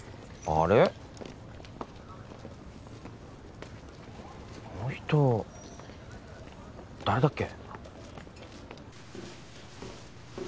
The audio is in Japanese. あの人誰だっけ？